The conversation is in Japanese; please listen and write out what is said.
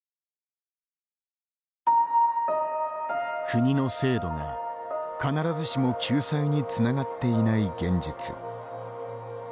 国の制度が必ずしも救済につながっていない現実。